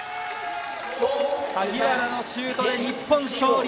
萩原のシュートで日本勝利！